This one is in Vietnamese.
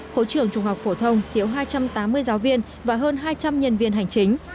khối trường trung học phổ thông thiếu hai trăm tám mươi giáo viên và hơn hai trăm linh nhân viên hành chính